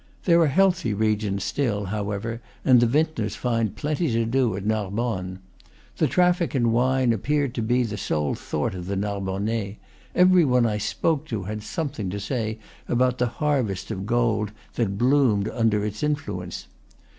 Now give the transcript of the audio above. There are healthy regions still, however, and the vintners find plenty to do at Narbonne. The traffic in wine appeared to be the sole thought of the Narbonnais; every one I spoke to had something to say about the harvest of gold that bloomed under its influence.